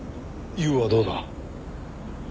悠はどうだ？